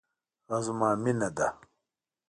هغه زما مینه ده